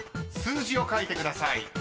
［数字を書いてください］